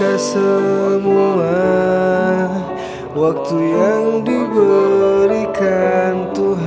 assalamualaikum warahmatullahi wabarakatuh